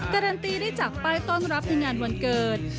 การันตีได้จากป้ายต้อนรับในงานวันเกิด